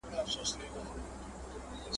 او د موضوع ټول مطالب